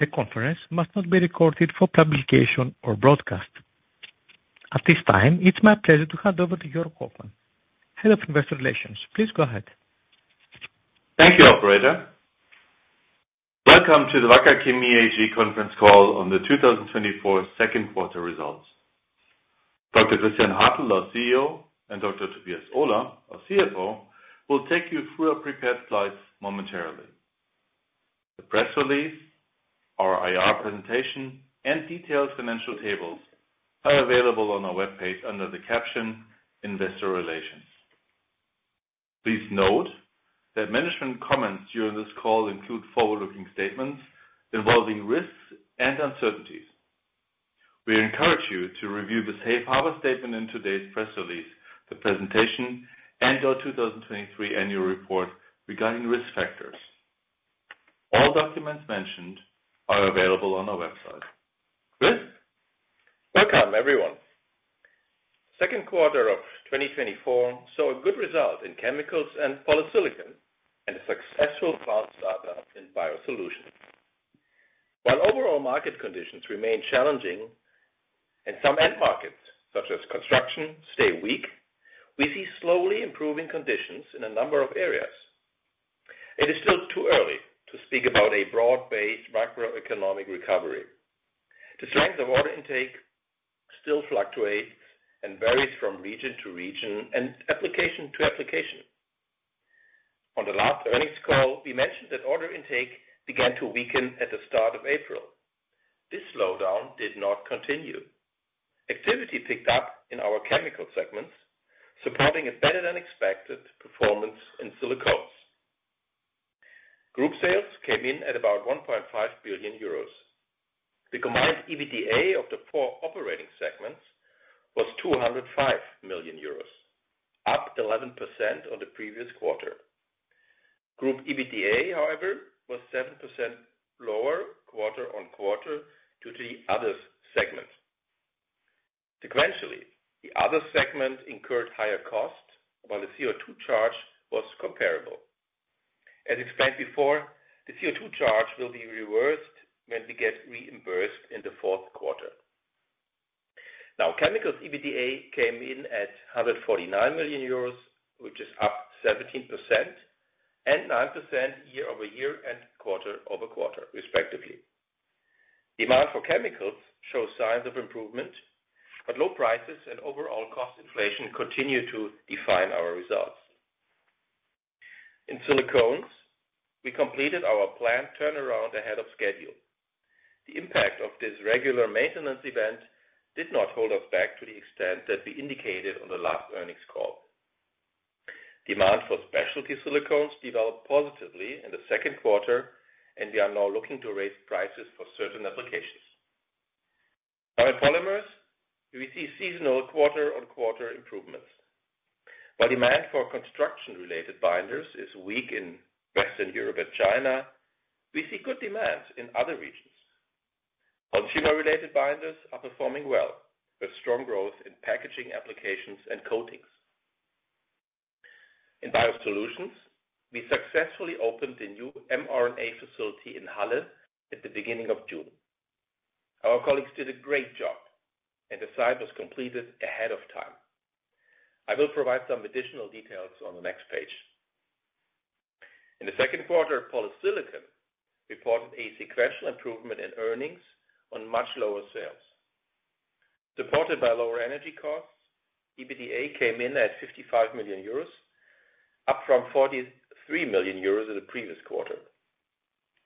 The conference must not be recorded for publication or broadcast. At this time, it's my pleasure to hand over to Joerg Hoffmann, Head of Investor Relations. Please go ahead. Thank you, operator. Welcome to the Wacker Chemie AG conference call on the 2024 second quarter results. Dr. Christian Hartel, our CEO, and Dr. Tobias Ohler, our CFO, will take you through our prepared slides momentarily. The press release, our IR presentation, and detailed financial tables are available on our webpage under the caption Investor Relations. Please note that management comments during this call include forward-looking statements involving risks and uncertainties. We encourage you to review the safe harbor statement in today's press release, the presentation, and our 2023 annual report regarding risk factors. All documents mentioned are available on our website. Chris? Welcome, everyone. Second quarter of 2024 saw a good result in Chemicals and Polysilicon, and a successful plant startup in Biosolutions. While overall market conditions remain challenging, and some end markets, such as construction, stay weak, we see slowly improving conditions in a number of areas. It is still too early to speak about a broad-based macroeconomic recovery. The strength of order intake still fluctuates and varies from region to region and application to application. On the last earnings call, we mentioned that order intake began to weaken at the start of April. This slowdown did not continue. Activity picked up in our chemical segments, supporting a better-than-expected performance in Silicones. Group sales came in at about 1.5 billion euros. The combined EBITDA of the four operating segments was 205 million euros, up 11% on the previous quarter. Group EBITDA, however, was 7% lower, quarter-over-quarter, due to the Others segment. Sequentially, the Others segment incurred higher costs, while the CO2 charge was comparable. As explained before, the CO2 charge will be reversed when we get reimbursed in the fourth quarter. Now, Chemicals EBITDA came in at 149 million euros, which is up 17% and 9% year-over-year and quarter-over-quarter, respectively. Demand for Chemicals shows signs of improvement, but low prices and overall cost inflation continue to define our results. In Silicones, we completed our planned turnaround ahead of schedule. The impact of this regular maintenance event did not hold us back to the extent that we indicated on the last earnings call. Demand for specialty Silicones developed positively in the second quarter, and we are now looking to raise prices for certain applications. Our Polymers, we see seasonal quarter-over-quarter improvements. While demand for construction-related binders is weak in Western Europe and China, we see good demand in other regions. Consumer-related binders are performing well, with strong growth in packaging applications and coatings. In Biosolutions, we successfully opened the new mRNA facility in Halle at the beginning of June. Our colleagues did a great job, and the site was completed ahead of time. I will provide some additional details on the next page. In the second quarter, Polysilicon reported a sequential improvement in earnings on much lower sales. Supported by lower energy costs, EBITDA came in at 55 million euros, up from 43 million euros in the previous quarter.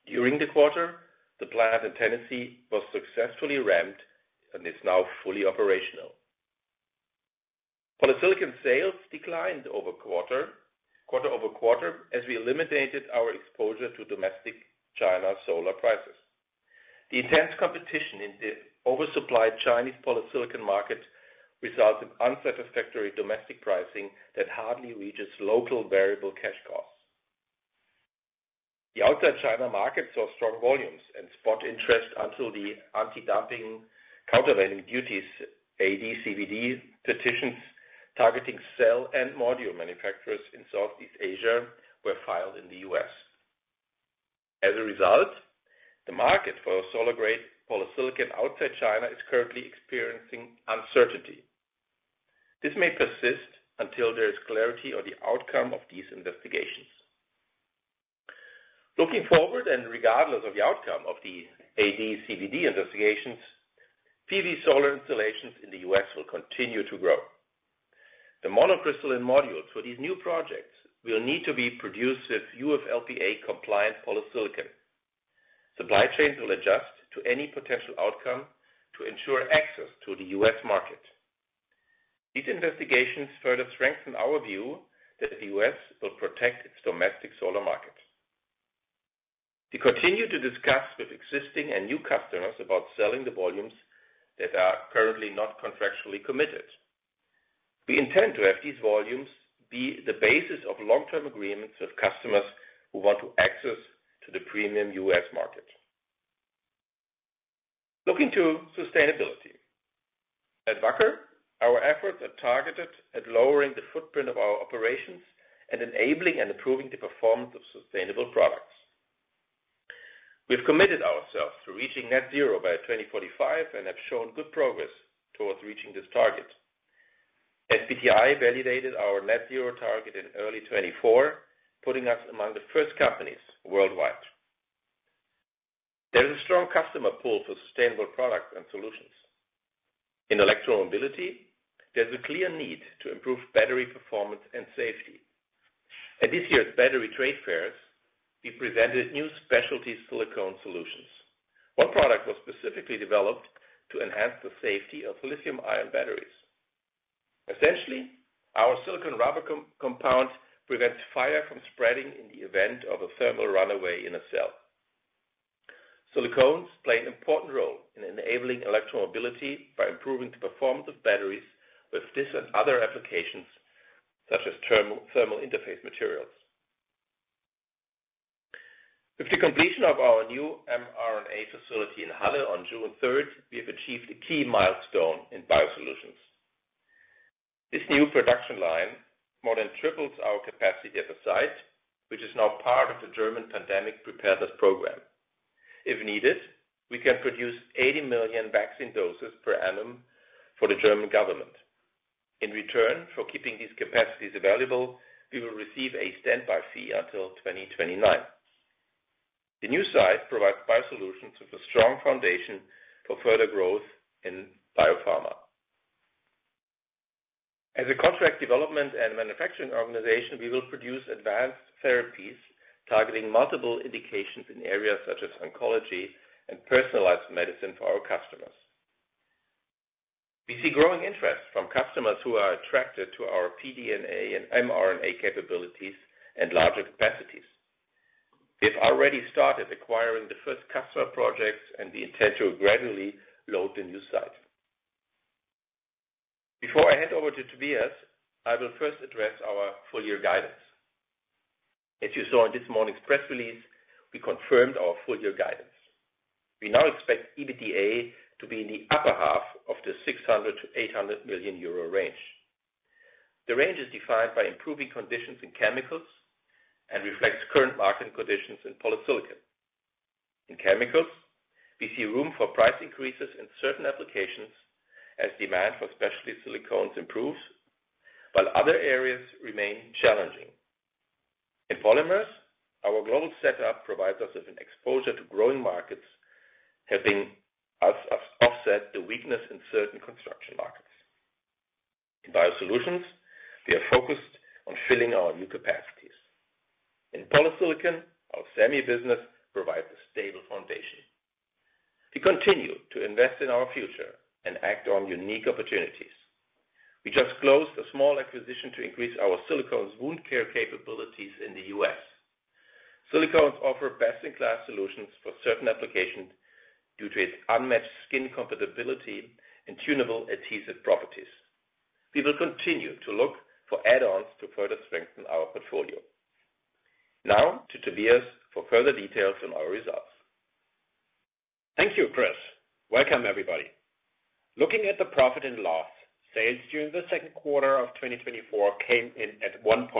During the quarter, the plant in Tennessee was successfully ramped and is now fully operational. Polysilicon sales declined quarter-over-quarter as we eliminated our exposure to domestic China solar prices. The intense competition in the oversupplied Chinese Polysilicon market resulted in unsatisfactory domestic pricing that hardly reaches local variable cash costs. The outside China market saw strong volumes and spot interest until the antidumping countervailing duties, AD/CVD petitions targeting cell and module manufacturers in Southeast Asia were filed in the U.S. As a result, the market for solar-grade Polysilicon outside China is currently experiencing uncertainty. This may persist until there is clarity on the outcome of these investigations. Looking forward, and regardless of the outcome of the AD/CVD investigations, PV solar installations in the U.S. will continue to grow. The monocrystalline modules for these new projects will need to be produced with UFLPA-compliant Polysilicon. Supply chains will adjust to any potential outcome to ensure access to the U.S. market. These investigations further strengthen our view that the U.S. will protect its domestic solar markets. We continue to discuss with existing and new customers about selling the volumes that are currently not contractually committed. We intend to have these volumes be the basis of long-term agreements with customers who want to access to the premium U.S. market.... Looking to sustainability. At Wacker, our efforts are targeted at lowering the footprint of our operations and enabling and improving the performance of sustainable products. We've committed ourselves to reaching net zero by 2045, and have shown good progress towards reaching this target. SBTi validated our net zero target in early 2024, putting us among the first companies worldwide. There is a strong customer pull for sustainable products and solutions. In electromobility, there's a clear need to improve battery performance and safety. At this year's battery trade fairs, we presented new specialty silicone solutions. One product was specifically developed to enhance the safety of lithium-ion batteries. Essentially, our silicone rubber compound prevents fire from spreading in the event of a thermal runaway in a cell. Silicones play an important role in enabling electromobility by improving the performance of batteries with this and other applications, such as thermal interface materials. With the completion of our new mRNA facility in Halle on June third, we have achieved a key milestone in Biosolutions. This new production line more than triples our capacity at the site, which is now part of the German Pandemic Preparedness Program. If needed, we can produce 80 million vaccine doses per annum for the German government. In return for keeping these capacities available, we will receive a standby fee until 2029. The new site provides Biosolutions with a strong foundation for further growth in Biopharma. As a contract development and manufacturing organization, we will produce advanced therapies targeting multiple indications in areas such as oncology and personalized medicine for our customers. We see growing interest from customers who are attracted to our pDNA and mRNA capabilities and larger capacities. We've already started acquiring the first customer projects, and we intend to gradually load the new site. Before I hand over to Tobias, I will first address our full year guidance. As you saw in this morning's press release, we confirmed our full year guidance. We now expect EBITDA to be in the upper half of the 600 million-800 million euro range. The range is defined by improving conditions in Chemicals and reflects current market conditions in Polysilicon. In Chemicals, we see room for price increases in certain applications as demand for specialty Silicones improves, while other areas remain challenging. In Polymers, our global setup provides us with an exposure to growing markets, helping us offset the weakness in certain construction markets. In Biosolutions, we are focused on filling our new capacities. In Polysilicon, our semi business provides a stable foundation. We continue to invest in our future and act on unique opportunities. We just closed a small acquisition to increase our Silicones' wound care capabilities in the U.S. Silicones offer best-in-class solutions for certain applications due to its unmatched skin compatibility and tunable adhesive properties. We will continue to look for add-ons to further strengthen our portfolio. Now, to Tobias for further details on our results. Thank you, Chris. Welcome, everybody. Looking at the profit and loss, sales during the second quarter of 2024 came in at 1.5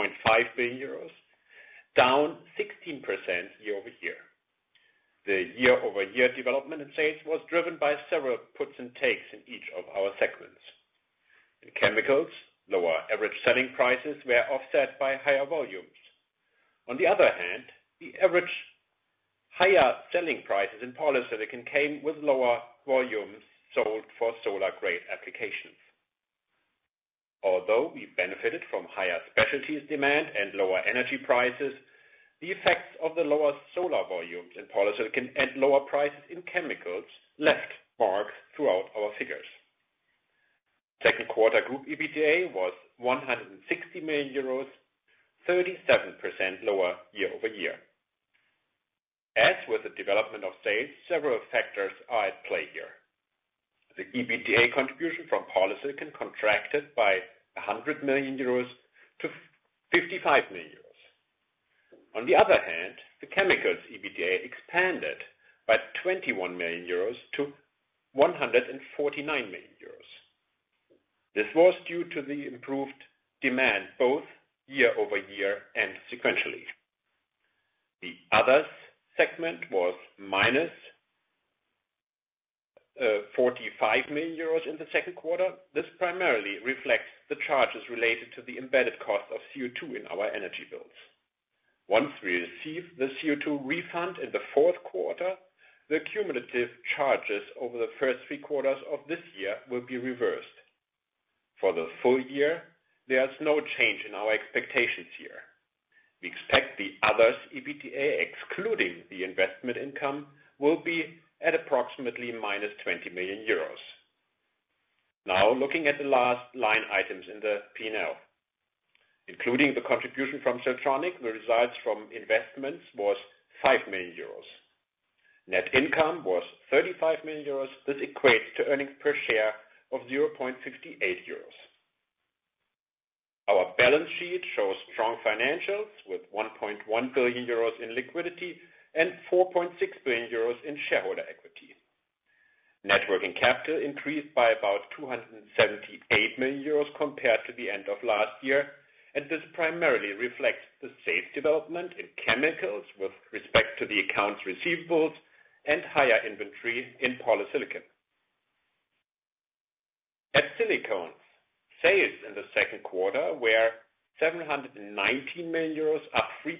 billion euros, down 16% year-over-year. The year-over-year development in sales was driven by several puts and takes in each of our segments. In Chemicals, lower average selling prices were offset by higher volumes. On the other hand, the average higher selling prices in Polysilicon came with lower volumes sold for solar-grade applications. Although we benefited from higher specialties demand and lower energy prices, the effects of the lower solar volumes in Polysilicon and lower prices in Chemicals left marks throughout our figures. Second quarter group EBITDA was 160 million euros, 37% lower year-over-year. As with the development of sales, several factors are at play here. The EBITDA contribution from Polysilicon contracted by 100 million euros to 55 million euros. On the other hand, the Chemicals EBITDA expanded by 21 million euros to 149 million euros. This was due to the improved demand both year-over-year and sequentially. The Others segment was minus forty-five million euros in the second quarter. This primarily reflects the charges related to the embedded cost of CO2 in our energy bills. Once we receive the CO2 refund in the fourth quarter, the cumulative charges over the first three quarters of this year will be reversed. For the full year, there is no change in our expectations here. We expect the Others EBITDA, excluding the investment income, will be at approximately minus 20 million euros. Now, looking at the last line items in the P&L. Including the contribution from Siltronic, the results from investments was 5 million euros. Net income was 35 million euros. This equates to earnings per share of 0.68 euros. Our balance sheet shows strong financials with 1.1 billion euros in liquidity and 4.6 billion euros in shareholder equity. Net working capital increased by about 278 million euros compared to the end of last year, and this primarily reflects the sales development in Chemicals with respect to the accounts receivables and higher inventory in Polysilicon. At Silicones, sales in the second quarter were 719 million euros, up 3%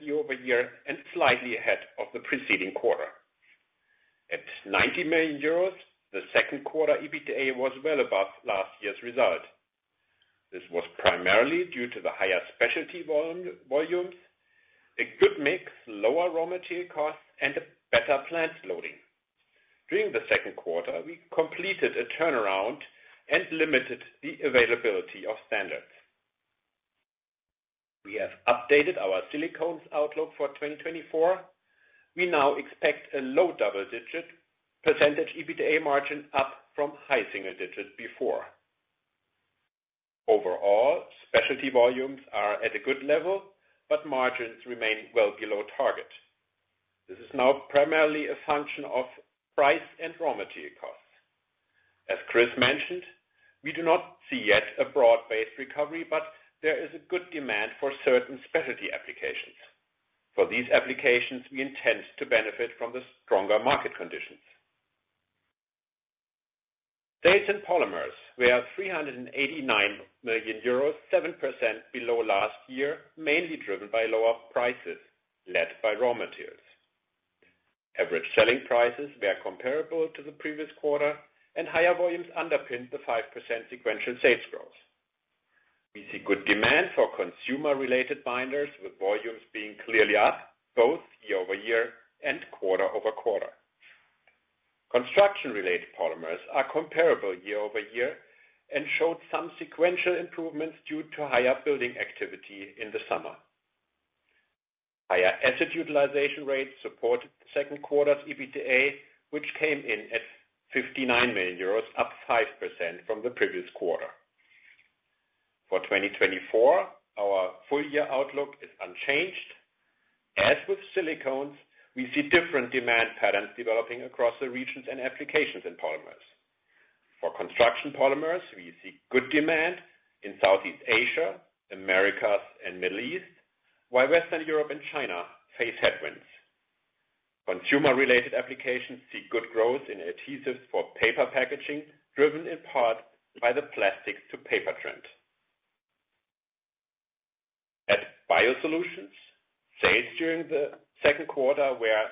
year-over-year and slightly ahead of the preceding quarter. At 90 million euros, the second quarter EBITDA was well above last year's result. This was primarily due to the higher specialty volumes, a good mix, lower raw material costs, and a better plant loading. During the second quarter, we completed a turnaround and limited the availability of standards. We have updated our Silicones outlook for 2024. We now expect a low double-digit percentage EBITDA margin, up from high single digits before. Overall, specialty volumes are at a good level, but margins remain well below target. This is now primarily a function of price and raw material costs. As Chris mentioned, we do not see yet a broad-based recovery, but there is a good demand for certain specialty applications. For these applications, we intend to benefit from the stronger market conditions. Sales in Polymers were 389 million euros, 7% below last year, mainly driven by lower prices, led by raw materials. Average selling prices were comparable to the previous quarter, and higher volumes underpinned the 5% sequential sales growth. We see good demand for consumer-related binders, with volumes being clearly up both year-over-year and quarter-over-quarter. Construction-related polymers are comparable year-over-year and showed some sequential improvements due to higher building activity in the summer. Higher asset utilization rates supported the second quarter's EBITDA, which came in at 59 million euros, up 5% from the previous quarter. For 2024, our full-year outlook is unchanged. As with Silicones, we see different demand patterns developing across the regions and applications in polymers. For construction polymers, we see good demand in Southeast Asia, Americas, and Middle East, while Western Europe and China face headwinds. Consumer-related applications see good growth in adhesives for paper packaging, driven in part by the plastics-to-paper trend. At Biosolutions, sales during the second quarter were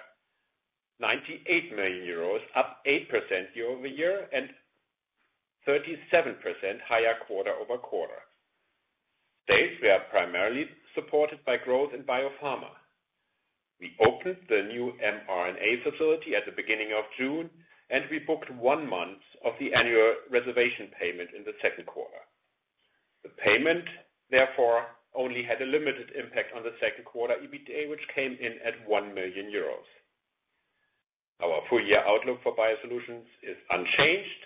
98 million euros, up 8% year-over-year, and 37% higher quarter-over-quarter. Sales were primarily supported by growth in Biopharma. We opened the new mRNA facility at the beginning of June, and we booked one month of the annual reservation payment in the second quarter. The payment, therefore, only had a limited impact on the second quarter EBITDA, which came in at 1 million euros. Our full-year outlook for Biosolutions is unchanged.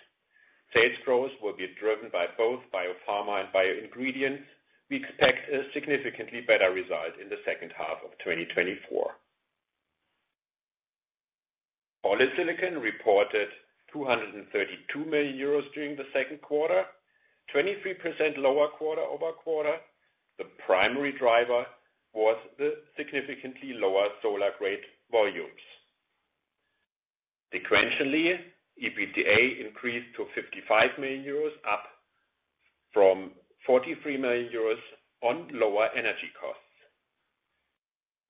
Sales growth will be driven by both Biopharma and Bioingredients. We expect a significantly better result in the second half of 2024. Polysilicon reported 232 million euros during the second quarter, 23% lower quarter-over-quarter. The primary driver was the significantly lower solar-grade volumes. Sequentially, EBITDA increased to 55 million euros, up from 43 million euros on lower energy costs.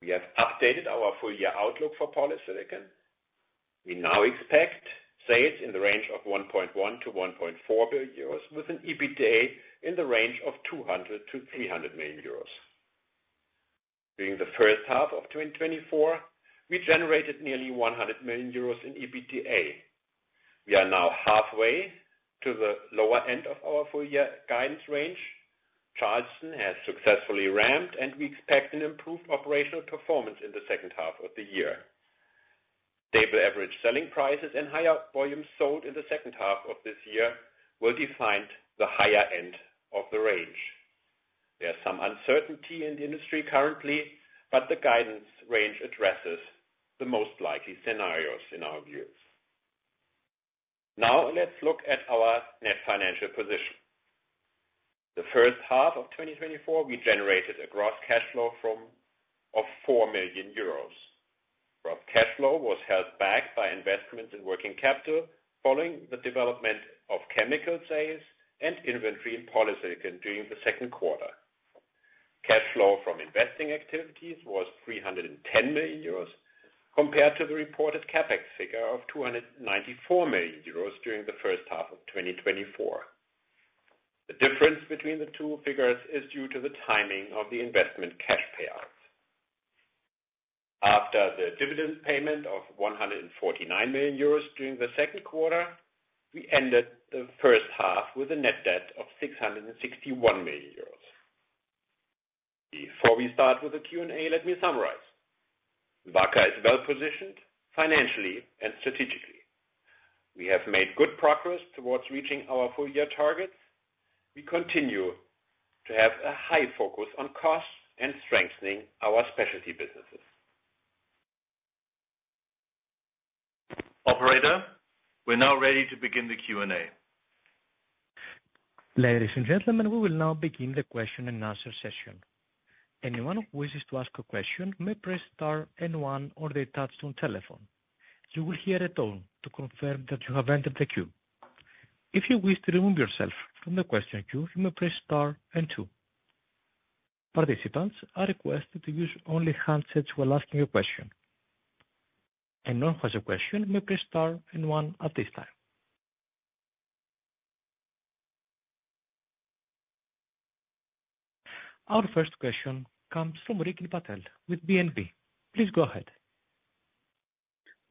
We have updated our full-year outlook for Polysilicon. We now expect sales in the range of 1.1 billion-1.4 billion euros, with an EBITDA in the range of 200 million-300 million euros. During the first half of 2024, we generated nearly 100 million euros in EBITDA. We are now halfway to the lower end of our full-year guidance range. Charleston has successfully ramped, and we expect an improved operational performance in the second half of the year. Stable average selling prices and higher volumes sold in the second half of this year will define the higher end of the range. There are some uncertainty in the industry currently, but the guidance range addresses the most likely scenarios in our views. Now, let's look at our net financial position. The first half of 2024, we generated a gross cash flow of 4 million euros. Gross cash flow was held back by investments in working capital following the development of chemical sales and inventory in Polysilicon during the second quarter. Cash flow from investing activities was 310 million euros, compared to the reported CapEx figure of 294 million euros during the first half of 2024. The difference between the two figures is due to the timing of the investment cash payouts. After the dividend payment of 149 million euros during the second quarter, we ended the first half with a net debt of 661 million euros. Before we start with the Q&A, let me summarize. Wacker is well positioned financially and strategically.... We have made good progress towards reaching our full year targets. We continue to have a high focus on costs and strengthening our specialty businesses. Operator, we're now ready to begin the Q&A. Ladies and gentlemen, we will now begin the question and answer session. Anyone who wishes to ask a question may press star and one on their touchtone telephone. You will hear a tone to confirm that you have entered the queue. If you wish to remove yourself from the question queue, you may press star and two. Participants are requested to use only handsets while asking a question. Anyone who has a question may press star and one at this time. Our first question comes from Rikin Patel with BNP. Please go ahead.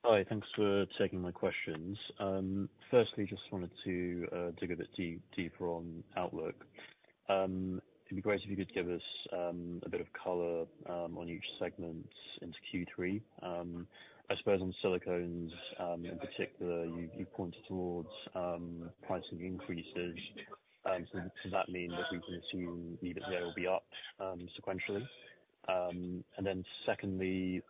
Hi, thanks for taking my questions. Firstly, just wanted to dig a bit deeper on outlook. It'd be great if you could give us a bit of color on each segment into Q3. I suppose on Silicones, in particular, you pointed towards pricing increases. So that means that we can assume EBITDA will be up sequentially? And then secondly,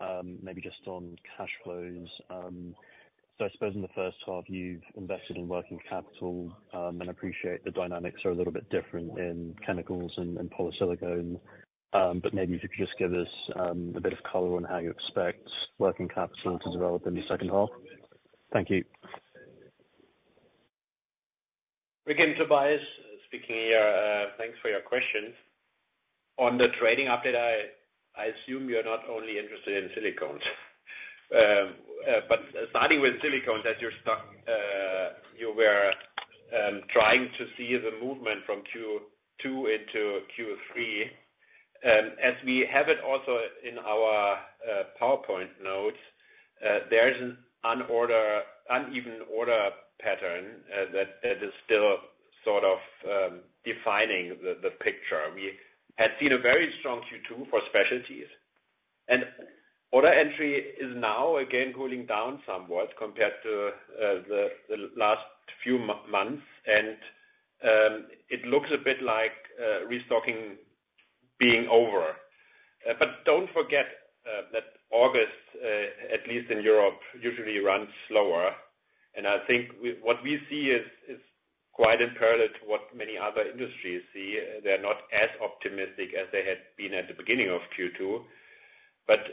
maybe just on cash flows. So I suppose in the first half, you've invested in working capital, and appreciate the dynamics are a little bit different in Chemicals and Polysilicon. But maybe if you could just give us a bit of color on how you expect working capital to develop in the second half. Thank you. Ricky, Tobias speaking here. Thanks for your question. On the trading update, I assume you're not only interested in Silicones. But starting with Silicones, as you're stuck, you were trying to see the movement from Q2 into Q3. As we have it also in our PowerPoint notes, there is an uneven order pattern that is still sort of defining the picture. We had seen a very strong Q2 for specialties, and order entry is now again cooling down somewhat compared to the last few months. And it looks a bit like restocking being over. But don't forget that August, at least in Europe, usually runs slower. And I think what we see is quite in parallel to what many other industries see. They're not as optimistic as they had been at the beginning of Q2. But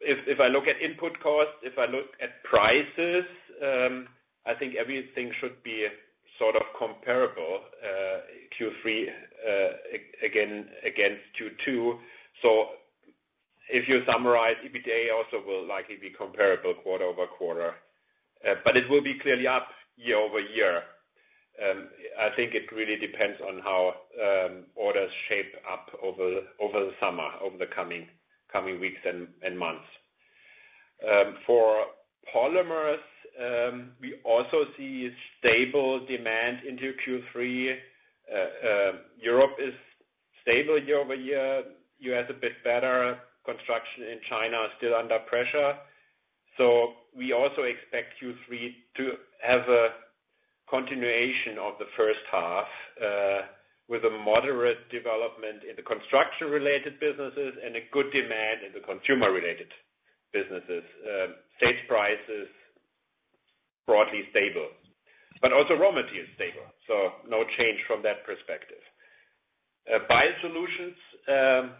if I look at input costs, if I look at prices, I think everything should be sort of comparable, Q3 again against Q2. So if you summarize, EBITDA also will likely be comparable quarter-over-quarter, but it will be clearly up year-over-year. I think it really depends on how orders shape up over the summer, over the coming weeks and months. For polymers, we also see stable demand into Q3. Europe is stable year-over-year, U.S. a bit better. Construction in China is still under pressure. So we also expect Q3 to have a continuation of the first half, with a moderate development in the construction-related businesses and a good demand in the consumer-related businesses. Sales prices, broadly stable, but also raw material stable, so no change from that perspective. Biosolutions,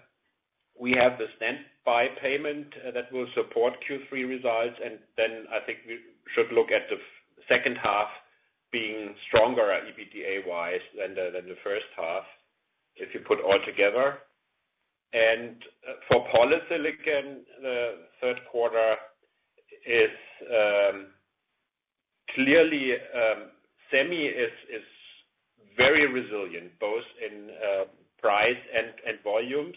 we have the standby payment that will support Q3 results, and then I think we should look at the second half being stronger EBITDA-wise than the first half, if you put all together. For Polysilicon, the third quarter is clearly semi is very resilient, both in price and volumes.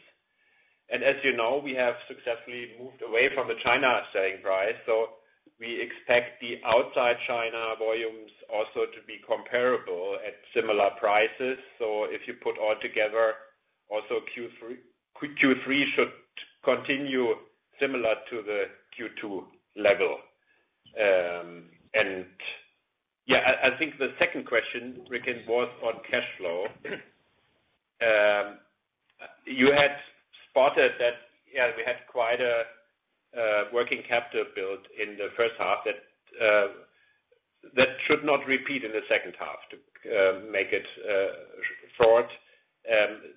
And as you know, we have successfully moved away from the China selling price, so we expect the outside China volumes also to be comparable at similar prices. So if you put all together, also Q3 should continue similar to the Q2 level. I think the second question, Ricky, was on cash flow. You had spotted that, yeah, we had quite a working capital build in the first half that that should not repeat in the second half to make it forward.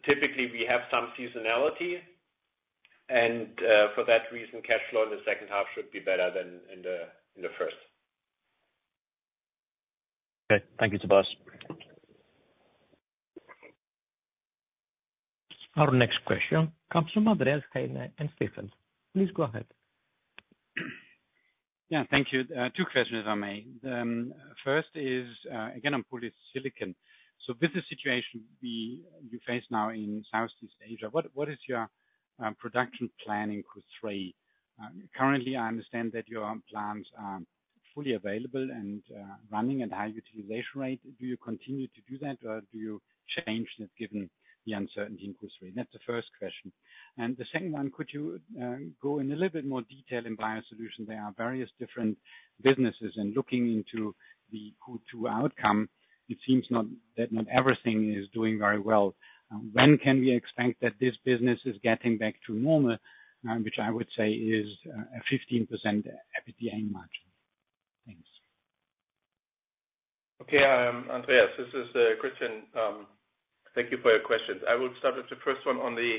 Typically, we have some seasonality, and for that reason, cashflow in the second half should be better than in the first. Okay, thank you, Tobias. Our next question comes from Andreas Heine at Stifel. Please go ahead. Yeah, thank you. Two questions, if I may. First is, again, on Polysilicon. So with the situation you face now in Southeast Asia, what is your production planning Q3? Currently, I understand that your plants are fully available and running at high utilization rate. Do you continue to do that, or do you change that given the uncertainty in Q3? That's the first question. And the second one, could you go in a little bit more detail in Biosolutions? There are various different businesses, and looking into the Q2 outcome, it seems that not everything is doing very well. When can we expect that this business is getting back to normal, which I would say is a 15% EBITDA margin? Thanks. Okay, Andreas, this is Christian. Thank you for your questions. I will start with the first one on the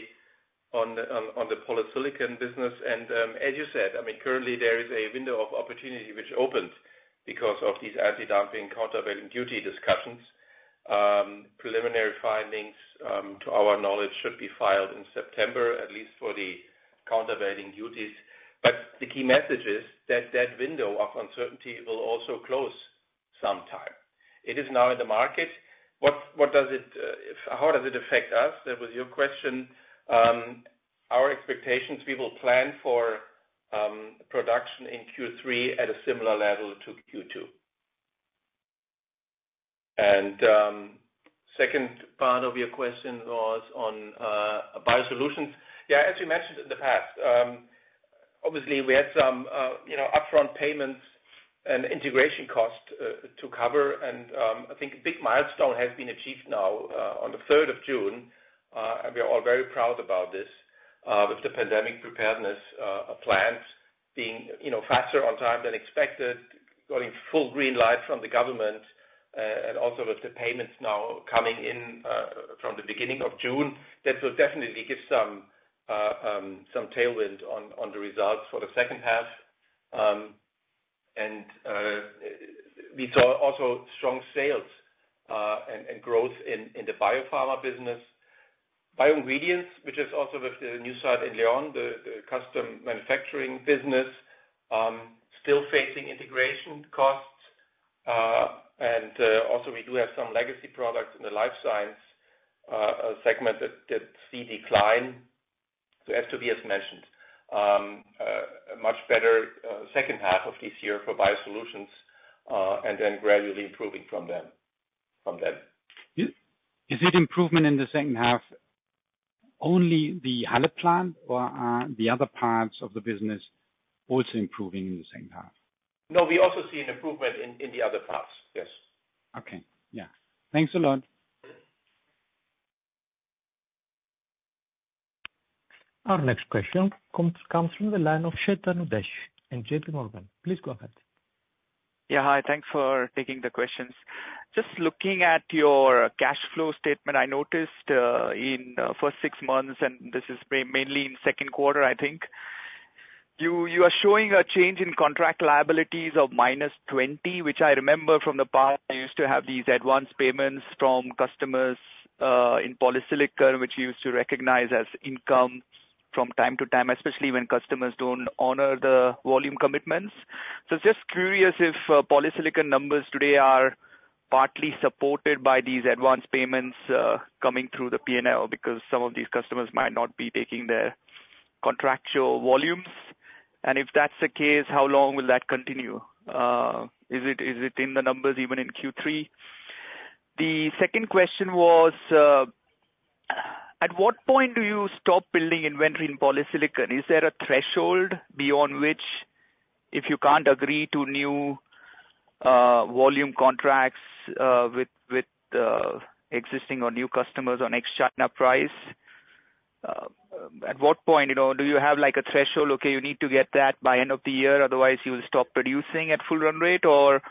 Polysilicon business. And as you said, I mean, currently there is a window of opportunity which opened because of these anti-dumping, countervailing duty discussions. Preliminary findings, to our knowledge, should be filed in September, at least for the countervailing duties. But the key message is that that window of uncertainty will also close sometime. It is now in the market. What does it, how does it affect us? That was your question. Our expectations, we will plan for production in Q3 at a similar level to Q2. And second part of your question was on Biosolutions. Yeah, as we mentioned in the past, obviously, we had some, you know, upfront payments and integration costs to cover, and I think a big milestone has been achieved now on the third of June. And we are all very proud about this with the pandemic preparedness plans being, you know, faster on time than expected, getting full green light from the government, and also with the payments now coming in from the beginning of June. That will definitely give some some tailwind on the results for the second half. And we saw also strong sales and growth in the Biopharma business. Bioingredients, which is also with the new site in León, the custom manufacturing business still facing integration costs. Also, we do have some legacy products in the Life Science segment that see decline. So as Tobias mentioned, a much better second half of this year for Biosolutions, and then gradually improving from then. Is it improvement in the second half, only the Halle plant, or are the other parts of the business also improving in the second half? No, we also see an improvement in the other parts. Yes. Okay. Yeah. Thanks a lot. Our next question comes from the line of Chetan Udeshi and JPMorgan. Please go ahead. Yeah, hi. Thanks for taking the questions. Just looking at your cash flow statement, I noticed in first six months, and this is mainly in second quarter, I think. You are showing a change in contract liabilities of -20, which I remember from the past, you used to have these advanced payments from customers in Polysilicon, which you used to recognize as income from time to time, especially when customers don't honor the volume commitments. So just curious if Polysilicon numbers today are partly supported by these advanced payments coming through the P&L, because some of these customers might not be taking their contractual volumes. And if that's the case, how long will that continue? Is it in the numbers even in Q3? The second question was at what point do you stop building inventory in Polysilicon? Is there a threshold beyond which if you can't agree to new volume contracts with existing or new customers on ex-China price, at what point, you know, do you have, like, a threshold, okay, you need to get that by end of the year, otherwise you will stop producing at full run rate, or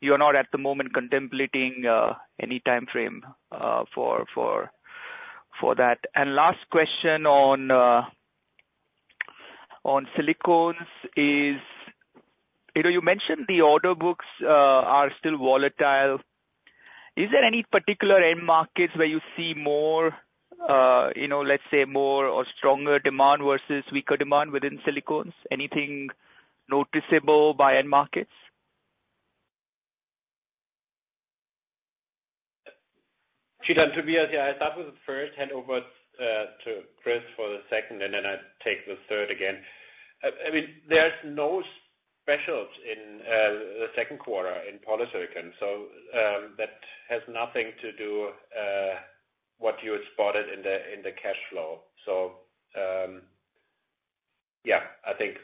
you are not, at the moment, contemplating any time frame for that? And last question on Silicones is, you know, you mentioned the order books are still volatile. Is there any particular end markets where you see more, you know, let's say more or stronger demand versus weaker demand within Silicones? Anything noticeable by end markets? Chetan, Tobias here. I'll start with the first, hand over to Chris for the second, and then I'll take the third again. I mean, there's no specials in the second quarter in Polysilicon, so that has nothing to do what you spotted in the cash flow. So, yeah, I think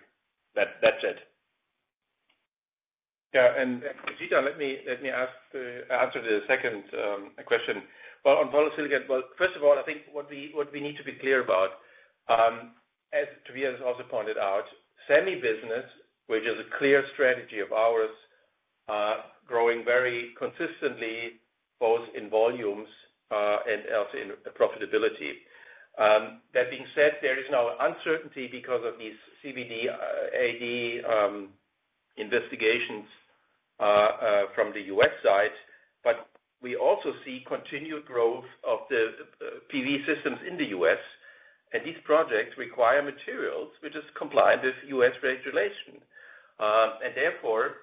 that's it. Yeah, and Chetan, let me answer the second question. Well, on Polysilicon, first of all, I think what we need to be clear about, as Tobias also pointed out, semi business, which is a clear strategy of ours, growing very consistently, both in volumes and also in profitability. That being said, there is now uncertainty because of these AD/CVD investigations from the U.S. side, but we also see continued growth of the PV systems in the U.S., and these projects require materials which is compliant with U.S. regulation. And therefore,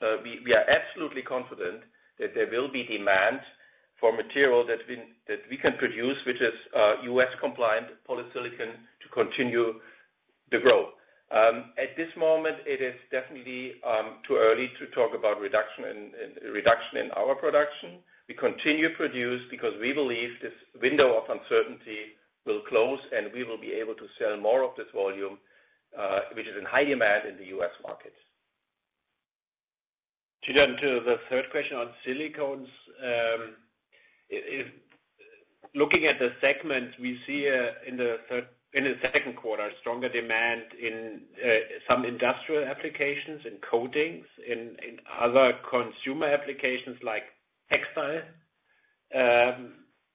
we are absolutely confident that there will be demand for material that we can produce, which is U.S. compliant Polysilicon to continue the growth. At this moment, it is definitely too early to talk about reduction in our production. We continue to produce because we believe this window of uncertainty will close, and we will be able to sell more of this volume, which is in high demand in the U.S. market. To get into the third question on Silicones, if looking at the segment, we see in the second quarter, stronger demand in some industrial applications, in coatings, in other consumer applications like textile.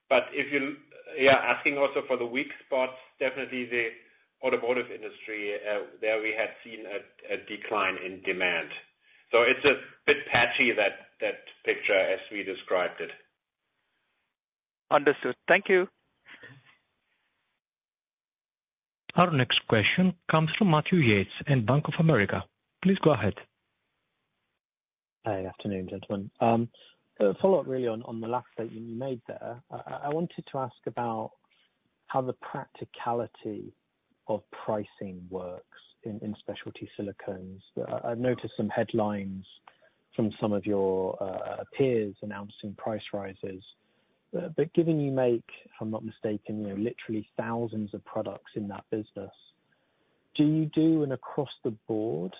But if you, yeah, are asking also for the weak spots, definitely the automotive industry, there we have seen a decline in demand. So it's a bit patchy, that picture, as we described it. Understood. Thank you. Our next question comes from Matthew Yates in Bank of America. Please go ahead. Hey, afternoon, gentlemen. A follow-up really on the last that you made there. I wanted to ask about how the practicality of pricing works in specialty Silicones. I've noticed some headlines from some of your peers announcing price rises. But given you make, if I'm not mistaken, you know, literally thousands of products in that business, do you do an across the board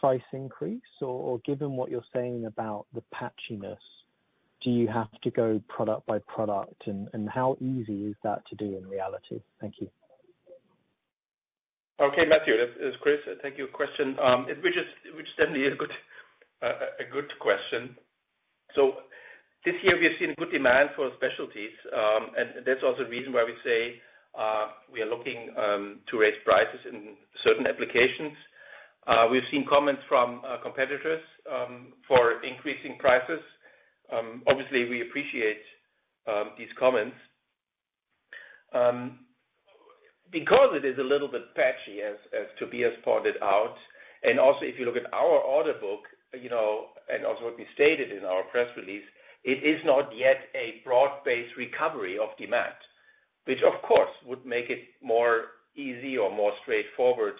price increase? Or given what you're saying about the patchiness, do you have to go product by product, and how easy is that to do in reality? Thank you. Okay, Matthew, this is Chris. Thank you for your question. Which certainly is a good question. So this year we've seen good demand for specialties, and that's also the reason why we say we are looking to raise prices in certain applications. We've seen comments from competitors for increasing prices. Obviously, we appreciate these comments. Because it is a little bit patchy, as Tobias pointed out, and also if you look at our order book, you know, and also what we stated in our press release, it is not yet a broad-based recovery of demand. Which, of course, would make it more easy or more straightforward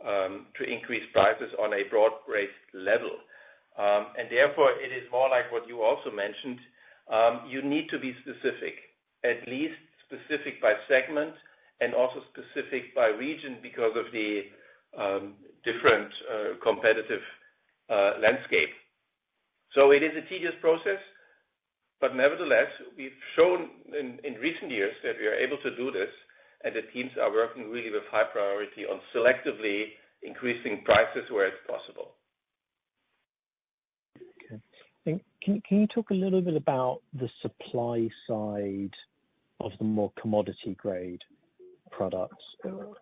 to increase prices on a broad-based level. And therefore, it is more like what you also mentioned. You need to be specific, at least specific by segment and also specific by region, because of the different competitive landscape. So it is a tedious process, but nevertheless, we've shown in recent years that we are able to do this, and the teams are working really with high priority on selectively increasing prices where it's possible. Okay. Can you talk a little bit about the supply side of the more commodity grade products?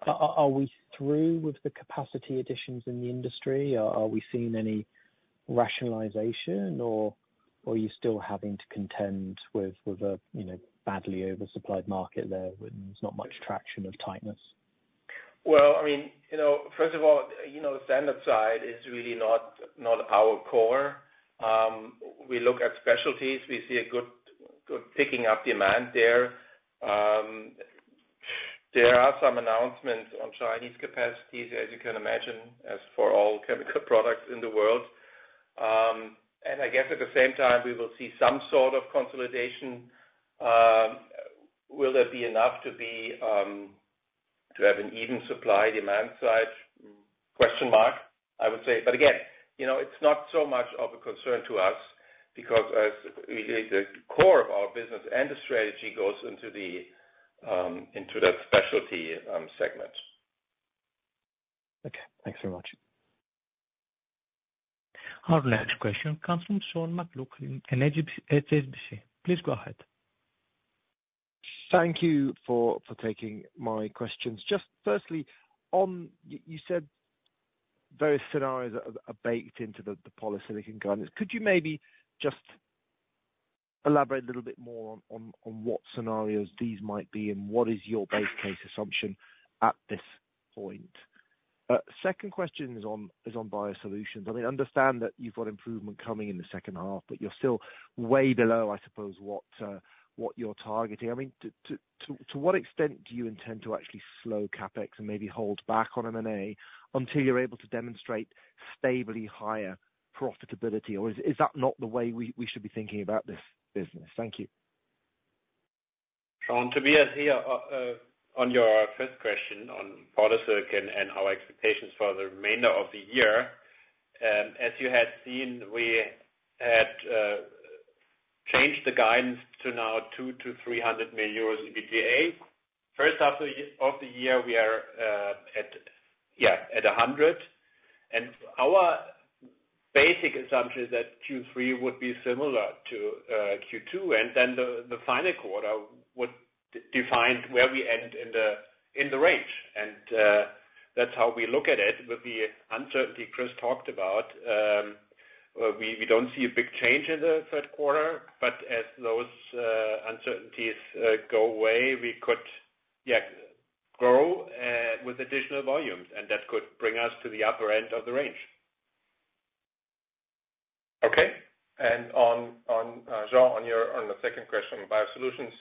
Are we through with the capacity additions in the industry? Are we seeing any rationalization, or are you still having to contend with a you know, badly oversupplied market there when there's not much traction of tightness? Well, I mean, you know, first of all, you know, standard side is really not our core. We look at specialties. We see a good picking up demand there. There are some announcements on Chinese capacities, as you can imagine, as for all chemical products in the world. I guess at the same time, we will see some sort of consolidation. Will there be enough to have an even supply-demand side? Question mark, I would say. But again, you know, it's not so much of a concern to us because as the core of our business and the strategy goes into that specialty segment. Okay, thanks very much. Our next question comes from Sean McLoughlin in HSBC. Please go ahead. Thank you for taking my questions. Just firstly, on. You said various scenarios are baked into the Polysilicon guidance. Could you maybe just elaborate a little bit more on what scenarios these might be, and what is your base case assumption at this point? Second question is on Biosolutions. I mean, I understand that you've got improvement coming in the second half, but you're still way below, I suppose, what you're targeting. I mean, to what extent do you intend to actually slow CapEx and maybe hold back on M&A until you're able to demonstrate stably higher profitability? Or is that not the way we should be thinking about this business? Thank you. Sean, Tobias here. On your first question on Polysilicon and our expectations for the remainder of the year, as you had seen, we had changed the guidance to now 200 million-300 million euros in EBITDA. First half of the year, we are at, yeah, at 100 million. And our basic assumption is that Q3 would be similar to Q2, and then the final quarter would define where we end in the range. And that's how we look at it with the uncertainty Chris talked about. We don't see a big change in the third quarter, but as those uncertainties go away, we could, yeah, grow with additional volumes, and that could bring us to the upper end of the range. Okay, and on Sean, on your second question, Biosolutions.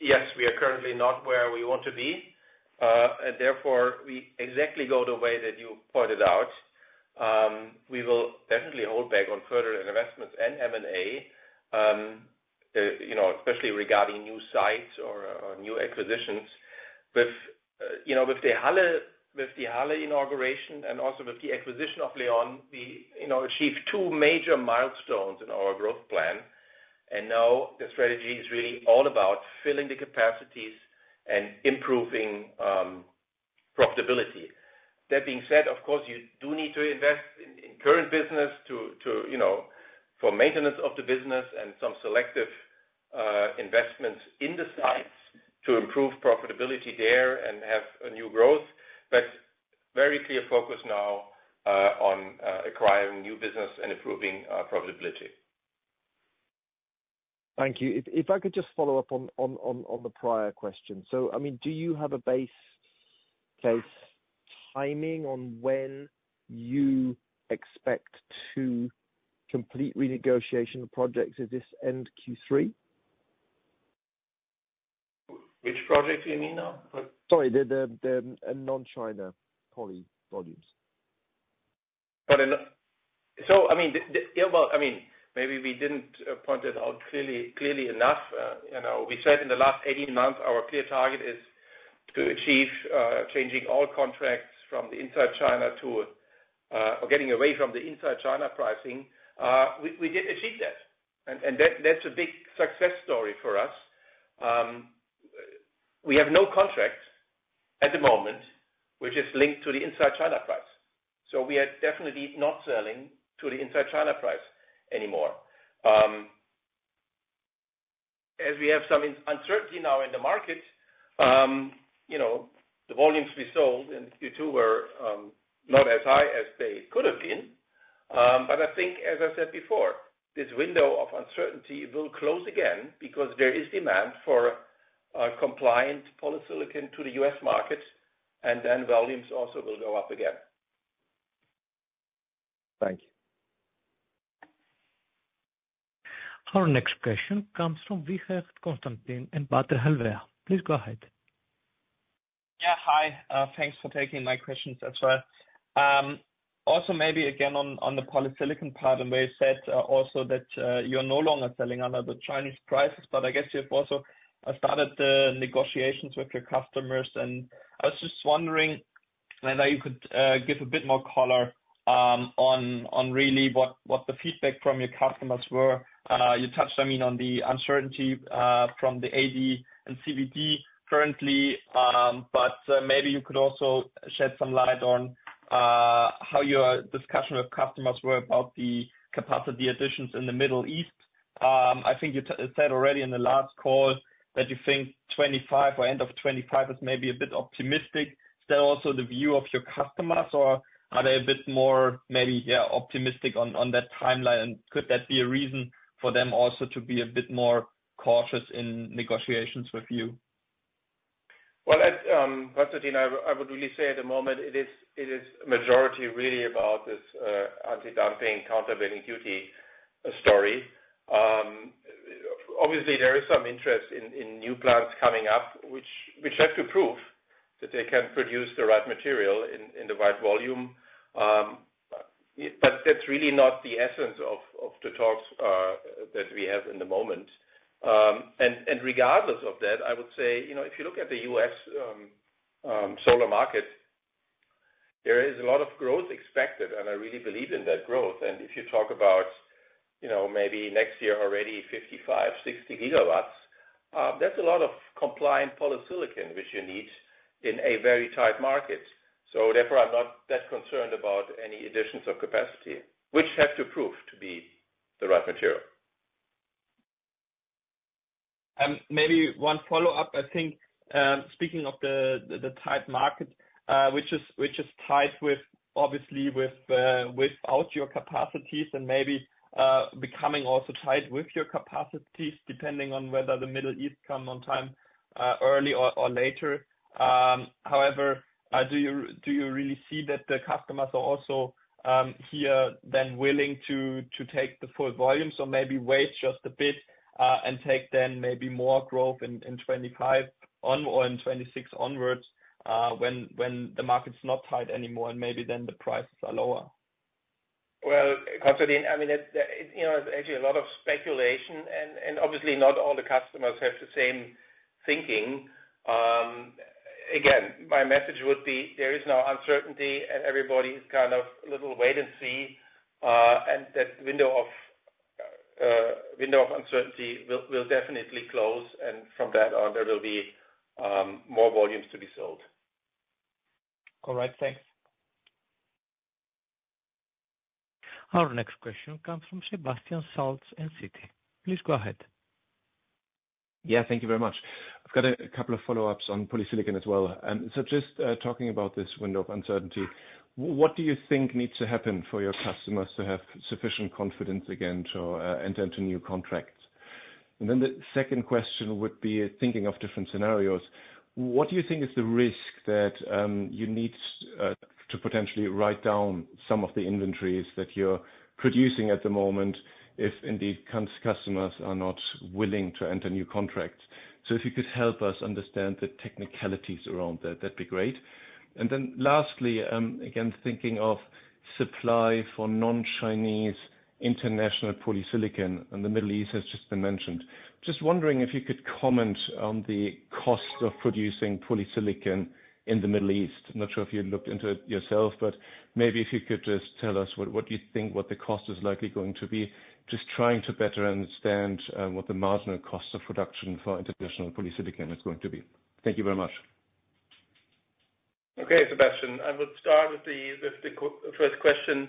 Yes, we are currently not where we want to be. And therefore, we exactly go the way that you pointed out. We will definitely hold back on further investments and M&A, you know, especially regarding new sites or new acquisitions. With the Halle inauguration and also with the acquisition of León, you know, we achieved two major milestones in our growth plan. And now the strategy is really all about filling the capacities and improving profitability. That being said, of course, you do need to invest in current business, you know, for maintenance of the business and some selective investments in the sites to improve profitability there and have a new growth. But very clear focus now on acquiring new business and improving profitability. Thank you. If I could just follow up on the prior question. So, I mean, do you have a base case timing on when you expect to complete renegotiation of projects? Is this end Q3? Which project you mean now? Sorry, the non-China poly volumes. So I mean, yeah, well, I mean, maybe we didn't point it out clearly enough. You know, we said in the last 18 months, our clear target is to achieve changing all contracts from the inside China to or getting away from the inside China pricing. We did achieve that, and that that's a big success story for us. We have no contract at the moment, which is linked to the inside China price. So we are definitely not selling to the inside China price anymore. As we have some uncertainty now in the market, you know, the volumes we sold in Q2 were not as high as they could have been. But I think, as I said before, this window of uncertainty will close again because there is demand for compliant Polysilicon to the U.S. market, and then volumes also will go up again. Thank you. Our next question comes from Konstantin Wiechert in Baader Helvea. Please go ahead. Yeah, hi. Thanks for taking my questions as well. Also, maybe again, on the Polysilicon part, and where you said, also that, you're no longer selling under the Chinese prices, but I guess you've also started negotiations with your customers. And I was just wondering whether you could give a bit more color on really what the feedback from your customers were. You touched, I mean, on the uncertainty from the AD/CVD currently, but maybe you could also shed some light on how your discussion with customers were about the capacity additions in the Middle East. I think you said already in the last call that you think 2025 or end of 2025 is maybe a bit optimistic. Is that also the view of your customers, or are they a bit more maybe, yeah, optimistic on, on that timeline? And could that be a reason for them also to be a bit more cautious in negotiations with you? Well, that's, Konstantin, I would really say at the moment it is majority really about this anti-dumping, countervailing duty story. Obviously, there is some interest in new plants coming up, which have to prove that they can produce the right material in the right volume. But that's really not the essence of the talks that we have in the moment. Regardless of that, I would say, you know, if you look at the U.S. solar market, there is a lot of growth expected, and I really believe in that growth. If you talk about, you know, maybe next year, already 55-60 gigawatts, that's a lot of compliant Polysilicon, which you need in a very tight market. Therefore, I'm not that concerned about any additions of capacity, which have to prove to be the right material. Maybe one follow-up, I think, speaking of the tight market, which is tight with, obviously, without your capacities and maybe becoming also tight with your capacities, depending on whether the Middle East come on time, early or later. However, do you really see that the customers are also here then willing to take the full volume? So maybe wait just a bit, and take then maybe more growth in 2025 or in 2026 onwards, when the market's not tight anymore, and maybe then the prices are lower. Well, Konstantin, I mean, it, you know, it's actually a lot of speculation, and obviously not all the customers have the same thinking. Again, my message would be: there is now uncertainty, and everybody is kind of a little wait and see. And that window of uncertainty will definitely close, and from then on, there will be more volumes to be sold. All right. Thanks. Our next question comes from Sebastian Satz in Citi. Please go ahead. Yeah, thank you very much. I've got a couple of follow-ups on Polysilicon as well. So just talking about this window of uncertainty, what do you think needs to happen for your customers to have sufficient confidence again to enter into new contracts?... And then the second question would be thinking of different scenarios. What do you think is the risk that you need to potentially write down some of the inventories that you're producing at the moment, if indeed customers are not willing to enter new contracts? So if you could help us understand the technicalities around that, that'd be great. And then lastly, again, thinking of supply for non-Chinese international Polysilicon, and the Middle East has just been mentioned. Just wondering if you could comment on the cost of producing Polysilicon in the Middle East. I'm not sure if you looked into it yourself, but maybe if you could just tell us what, what you think, what the cost is likely going to be. Just trying to better understand what the marginal cost of production for international Polysilicon is going to be. Thank you very much. Okay, Sebastian, I would start with the first question.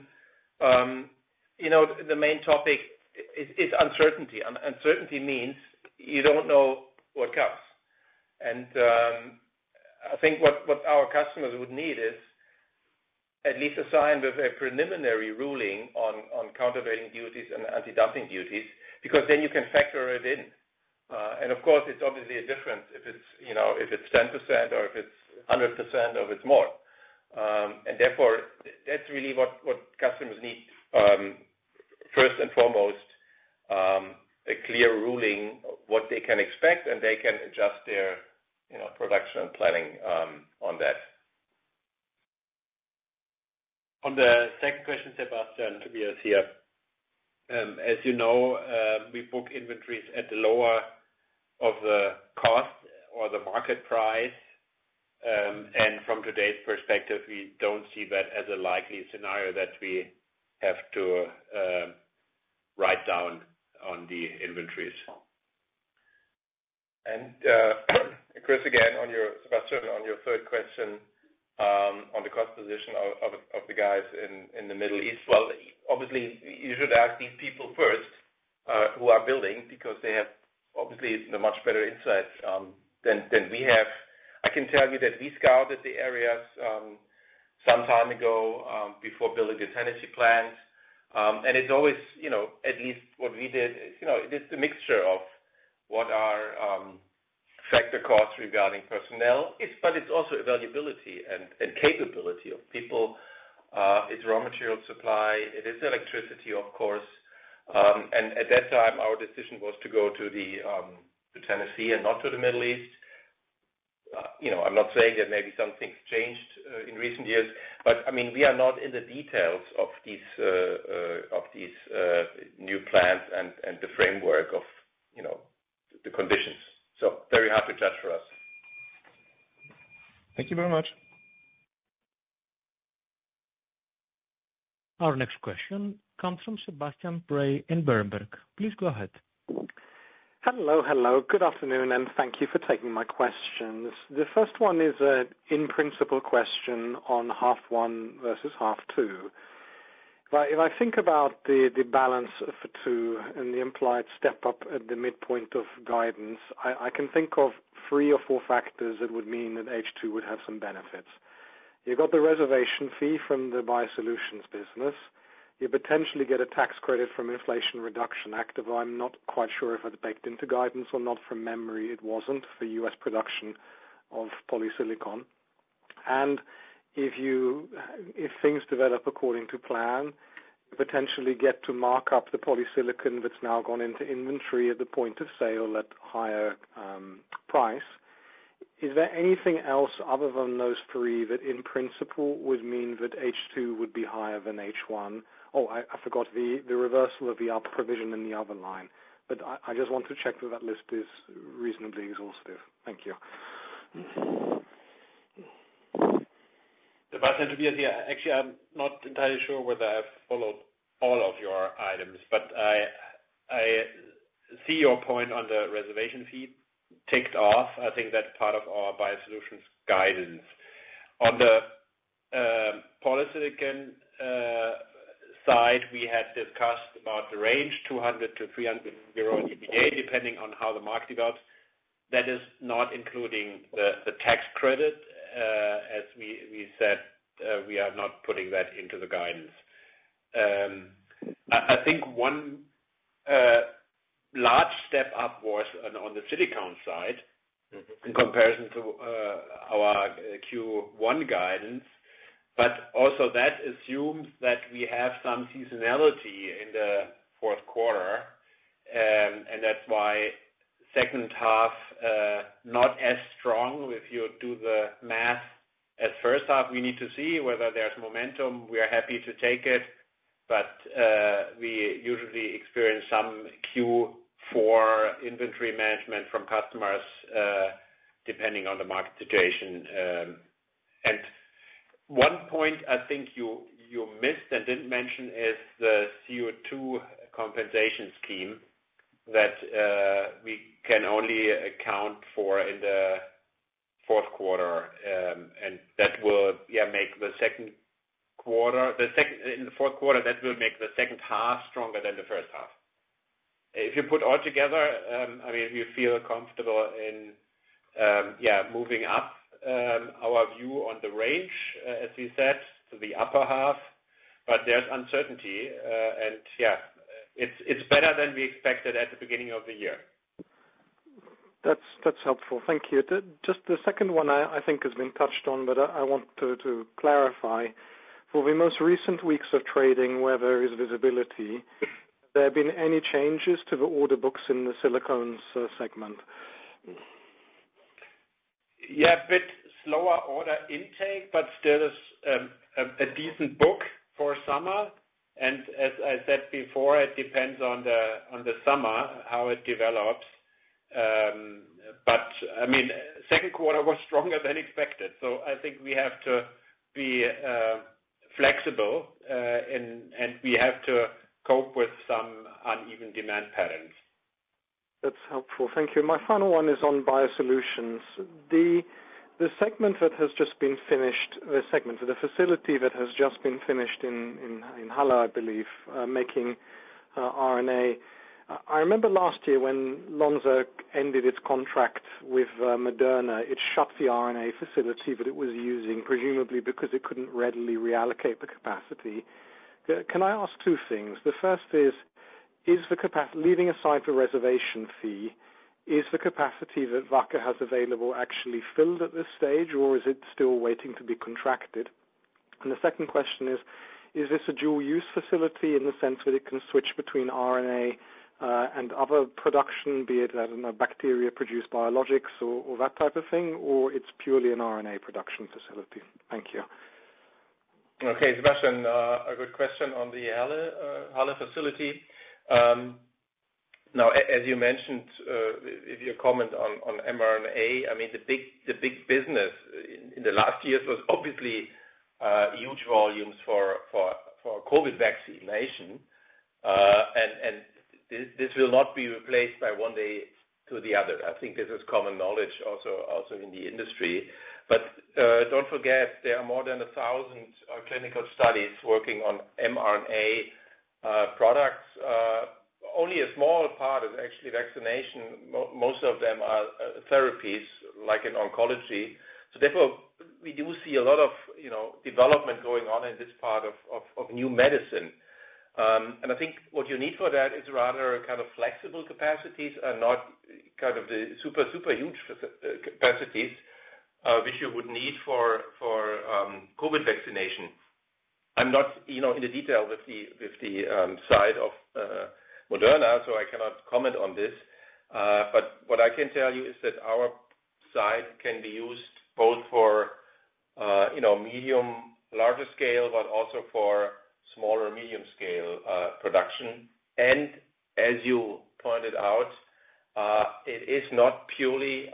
You know, the main topic is uncertainty, and uncertainty means you don't know what comes. And I think what our customers would need is at least a sign of a preliminary ruling on countervailing duties and antidumping duties, because then you can factor it in. And of course, it's obviously a difference if it's, you know, if it's 10% or if it's 100% or if it's more. And therefore, that's really what customers need first and foremost, a clear ruling what they can expect, and they can adjust their, you know, production planning on that. On the second question, Sebastian, Tobias here. As you know, we book inventories at the lower of the cost or the market price. And from today's perspective, we don't see that as a likely scenario that we have to write down on the inventories. And, Chris, again, on your—Sebastian, on your third question, on the cost position of the guys in the Middle East. Well, obviously, you should ask these people first, who are building, because they have obviously the much better insight than we have. I can tell you that we scouted the areas, some time ago, before building the Tennessee plant. And it's always, you know, at least what we did, you know, it is a mixture of what are factor costs regarding personnel. It's, but it's also availability and capability of people. It's raw material supply, it is electricity, of course. And at that time, our decision was to go to Tennessee and not to the Middle East. You know, I'm not saying that maybe something's changed in recent years, but I mean, we are not in the details of these new plants and the framework of, you know, the conditions. So very happy to answer for us. Thank you very much. Our next question comes from Sebastian Bray in Berenberg. Please go ahead. Hello, hello. Good afternoon, and thank you for taking my questions. The first one is an in-principle question on half one versus half two. But if I think about the balance for two and the implied step up at the midpoint of guidance, I can think of three or four factors that would mean that H2 would have some benefits. You've got the reservation fee from the Biosolutions business. You potentially get a tax credit from Inflation Reduction Act, although I'm not quite sure if it's baked into guidance or not, from memory, it wasn't, for U.S. production of Polysilicon. And if you, if things develop according to plan, potentially get to mark up the Polysilicon that's now gone into inventory at the point of sale at higher price. Is there anything else other than those three, that in principle, would mean that H2 would be higher than H1? Oh, I forgot the reversal of the up provision in the other line, but I just want to check that that list is reasonably exhaustive. Thank you. Sebastian, Tobias here. Actually, I'm not entirely sure whether I've followed all of your items, but I see your point on the reservation fee ticked off. I think that's part of our Biosolutions guidance. On the Polysilicon side, we had discussed about the range, 200-300 euros EBITDA, depending on how the market develops. That is not including the tax credit. As we said, we are not putting that into the guidance. I think one large step upwards on the silicon side- Mm-hmm... in comparison to our Q1 guidance, but also that assumes that we have some seasonality in the fourth quarter. And that's why second half not as strong if you do the math. At first half, we need to see whether there's momentum. We are happy to take it, but we usually experience some Q4 inventory management from customers depending on the market situation. And one point I think you, you missed and didn't mention is the CO2 compensation scheme, that we can only account for in the fourth quarter. And that will, yeah, make the second quarter - the second - in the fourth quarter, that will make the second half stronger than the first half. If you put all together, I mean, we feel comfortable in moving up our view on the range, as you said, to the upper half. But there's uncertainty, and it's better than we expected at the beginning of the year. That's, that's helpful. Thank you. The—just the second one, I think, has been touched on, but I want to clarify. For the most recent weeks of trading, where there is visibility, there have been any changes to the order books in the Silicones segment? Yeah, a bit slower order intake, but still is a decent book for summer. And as I said before, it depends on the summer, how it develops. But I mean, second quarter was stronger than expected, so I think we have to be flexible, and we have to cope with some uneven demand patterns. That's helpful. Thank you. My final one is on Biosolutions. The facility that has just been finished in Halle, I believe, making RNA. I remember last year when Lonza ended its contract with Moderna, it shut the RNA facility that it was using, presumably because it couldn't readily reallocate the capacity. Can I ask two things? The first is, leaving aside the reservation fee, is the capacity that Wacker has available actually filled at this stage, or is it still waiting to be contracted? And the second question is, is this a dual use facility in the sense that it can switch between RNA and other production, be it, I don't know, bacteria-produced biologics or that type of thing, or it's purely an RNA production facility? Thank you. Okay, Sebastian, a good question on the Halle, Halle facility. Now, as you mentioned, in your comment on mRNA, I mean, the big, the big business in the last years was obviously huge volumes for, for, for COVID vaccination. And, and this, this will not be replaced by one day to the other. I think this is common knowledge also, also in the industry. But, don't forget, there are more than 1,000 clinical studies working on mRNA products. Only a small part is actually vaccination. Most of them are therapies, like in oncology. So therefore, we do see a lot of, you know, development going on in this part of, of, of new medicine. And I think what you need for that is rather kind of flexible capacities and not kind of the super, super huge capacities, which you would need for COVID vaccination. I'm not, you know, in the detail with the side of Moderna, so I cannot comment on this. But what I can tell you is that our side can be used both for, you know, medium, larger scale, but also for small or medium scale production. And as you pointed out, it is not purely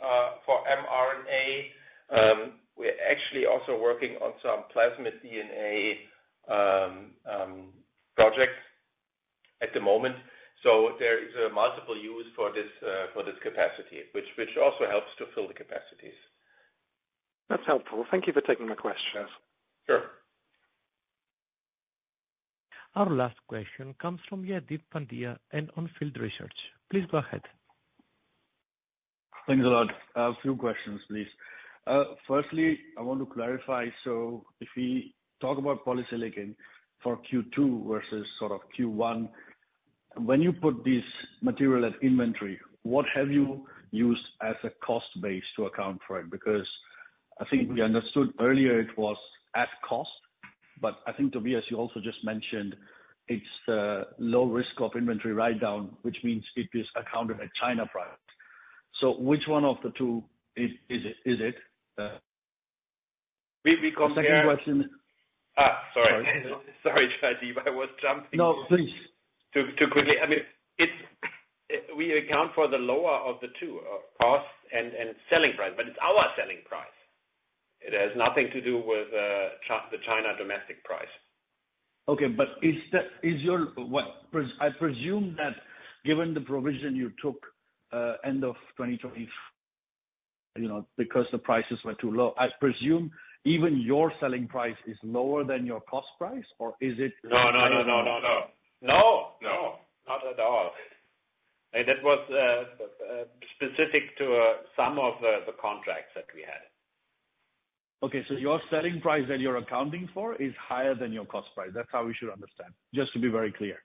for mRNA. We're actually also working on some plasmid DNA projects at the moment. So there is a multiple use for this for this capacity, which also helps to fill the capacities. That's helpful. Thank you for taking my question. Sure. Our last question comes from Jaideep Pandya in On Field Research. Please go ahead. Thanks a lot. A few questions, please. Firstly, I want to clarify, so if we talk about Polysilicon for Q2 versus sort of Q1, when you put this material at inventory, what have you used as a cost base to account for it? Because I think we understood earlier it was at cost, but I think, Tobias, you also just mentioned it's a low risk of inventory write down, which means it is accounted at China price. So which one of the two is, is it, is it? We compare- The second question. Ah, sorry. Sorry, Jaideep, I was jumping- No, please... too, too quickly. I mean, it's we account for the lower of the two, of cost and selling price, but it's our selling price. It has nothing to do with the China domestic price. Okay, but is that, I presume that given the provision you took end of 2020, you know, because the prices were too low, I presume even your selling price is lower than your cost price, or is it? No, no, no, no, no, no. No! No, not at all. That was specific to some of the, the contracts that we had. Okay, so your selling price that you're accounting for is higher than your cost price. That's how we should understand, just to be very clear.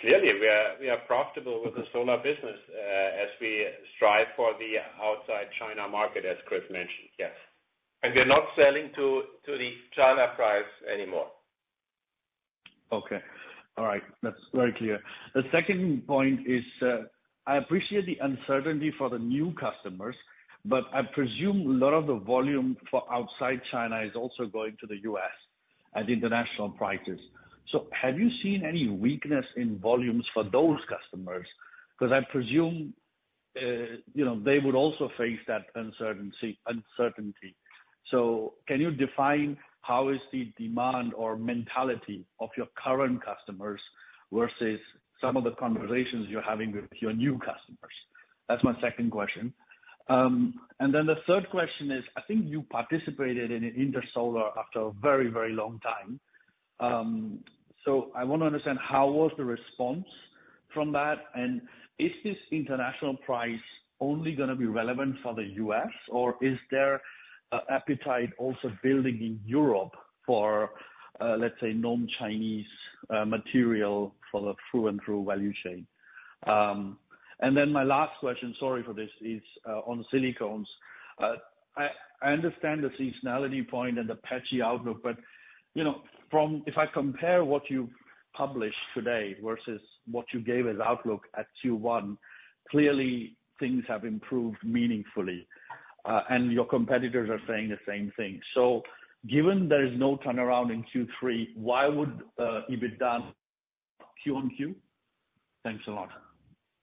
Clearly, we are profitable with the solar business, as we strive for the outside China market, as Chris mentioned, yes. We are not selling to the China price anymore. Okay. All right, that's very clear. The second point is, I appreciate the uncertainty for the new customers, but I presume a lot of the volume for outside China is also going to the U.S. at international prices. So have you seen any weakness in volumes for those customers? Because I presume, you know, they would also face that uncertainty, uncertainty. So can you define how is the demand or mentality of your current customers versus some of the conversations you're having with your new customers? That's my second question. And then the third question is, I think you participated in an Intersolar after a very, very long time. So I wanna understand how was the response from that, and is this international price only gonna be relevant for the U.S., or is there appetite also building in Europe for, let's say, non-Chinese material for the through-and-through value chain? And then my last question, sorry for this, is on Silicones. I understand the seasonality point and the patchy outlook, but, you know, from—if I compare what you've published today versus what you gave as outlook at Q1, clearly things have improved meaningfully, and your competitors are saying the same thing. So given there is no turnaround in Q3, why would EBITDA QoQ? Thanks a lot.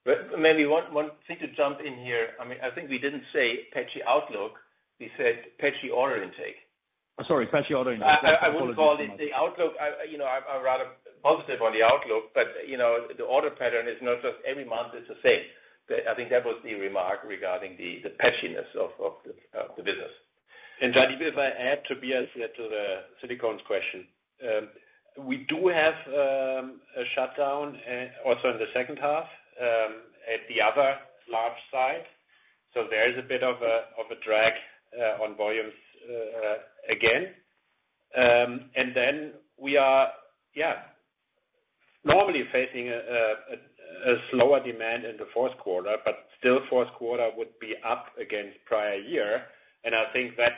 Well, maybe one, one thing to jump in here. I mean, I think we didn't say patchy outlook. We said patchy order intake. Oh, sorry, patchy order intake. I wouldn't call it the outlook. I, you know, I'm rather positive on the outlook, but, you know, the order pattern is not just every month it's the same. I think that was the remark regarding the patchiness of the business. And Jaideep, even if I add to Tobias to the Silicones question. We do have a shutdown also in the second half at the other large site. So there is a bit of a drag on volumes again. And then we are normally facing a slower demand in the fourth quarter, but still fourth quarter would be up against prior year. And I think that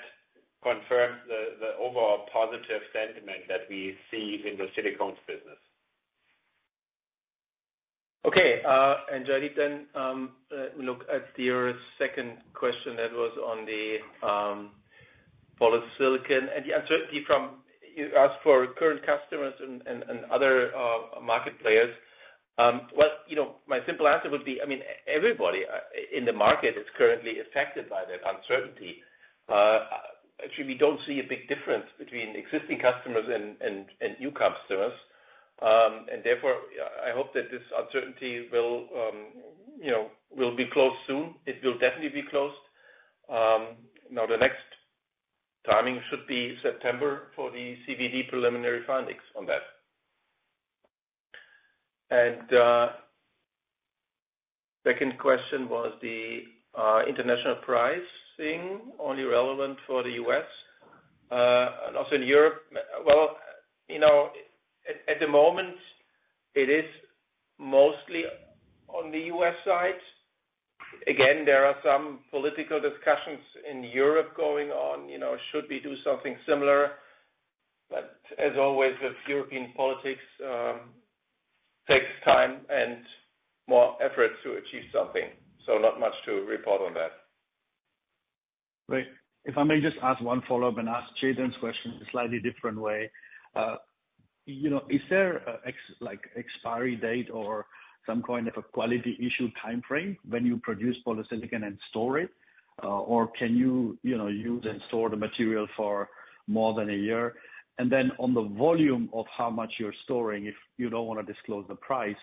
confirms the overall positive sentiment that we see in the Silicones business. Okay, and Jaideep, then, look at your second question that was on the Polysilicon, and the uncertainty from, as for current customers and other market players. Well, you know, my simple answer would be, I mean, everybody in the market is currently affected by that uncertainty. Actually, we don't see a big difference between existing customers and new customers. And therefore, I hope that this uncertainty will, you know, will be closed soon. It will definitely be closed. Now, the next timing should be September for the CVD preliminary findings on that. And second question was the international price thing only relevant for the U.S. and also in Europe? Well, you know, at the moment, it is mostly on the U.S. side. Again, there are some political discussions in Europe going on, you know, should we do something similar? But as always, with European politics, takes time and more effort to achieve something, so not much to report on that. Right. If I may just ask one follow-up and ask Jaideep's question in a slightly different way. You know, is there an expiry date or some kind of a quality issue time frame when you produce Polysilicon and store it? Or can you, you know, use and store the material for more than a year? And then on the volume of how much you're storing, if you don't wanna disclose the price,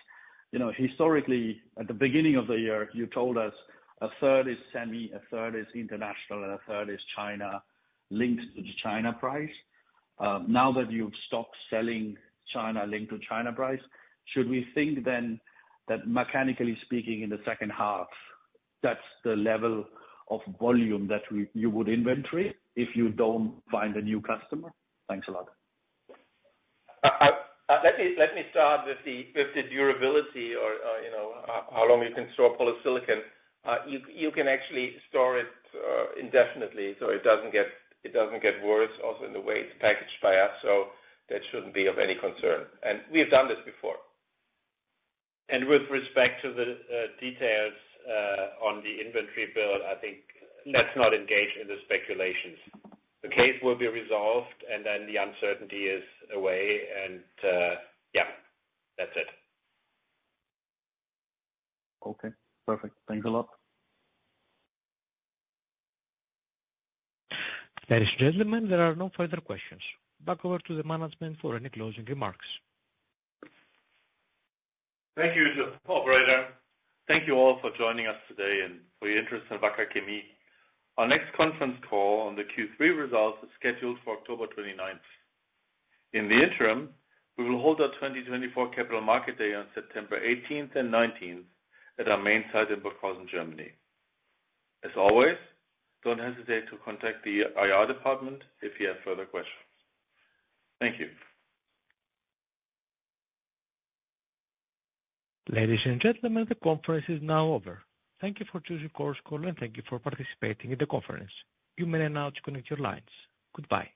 you know, historically, at the beginning of the year, you told us a third is semi, a third is international, and a third is China, linked to the China price. Now that you've stopped selling China linked to China price, should we think then that mechanically speaking, in the second half, that's the level of volume that you would inventory if you don't find a new customer? Thanks a lot. Let me start with the durability or, you know, how long you can store Polysilicon. You can actually store it indefinitely, so it doesn't get worse. Also, in the way it's packaged by us, so that shouldn't be of any concern. And we have done this before. With respect to the details on the inventory build, I think let's not engage in the speculations. The case will be resolved, and then the uncertainty is away, and yeah, that's it. Okay, perfect. Thanks a lot. Ladies and gentlemen, there are no further questions. Back over to the management for any closing remarks. Thank you, operator. Thank you all for joining us today and for your interest in Wacker Chemie. Our next conference call on the Q3 results is scheduled for October 29th. In the interim, we will hold our 2024 Capital Market Day on September 18th and 19th at our main site in Burghausen, Germany. As always, don't hesitate to contact the IR department if you have further questions. Thank you. Ladies and gentlemen, the conference is now over. Thank you for choosing Chorus Call, and thank you for participating in the conference. You may now disconnect your lines. Goodbye.